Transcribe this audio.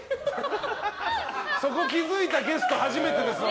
そこ気づいたゲスト初めてですわ。